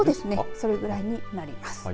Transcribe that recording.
それぐらいになります。